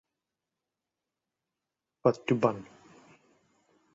ปัจจุบัน